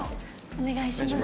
お願いします。